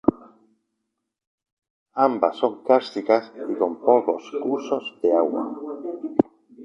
Ambas son kársticas y con pocos cursos de agua.